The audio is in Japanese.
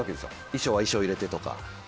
衣装は衣装を入れてとか。